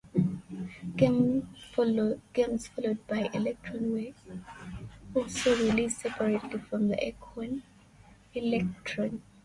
Games followed by "Electron" were also released separately for the Acorn Electron.